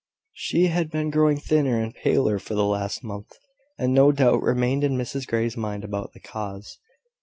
She had been growing thinner and paler for the last month, and no doubt remained in Mrs Grey's mind about the cause.